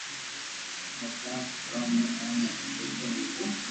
او پونچ گھرو مون اوني جيتو ميلتو